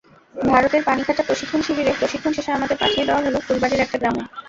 ভারতের পানিঘাটা প্রশিক্ষণ শিবিরে প্রশিক্ষণ শেষে আমাদের পাঠিয়ে দেওয়া হলো ফুলবাড়ীর একটা গ্রামে।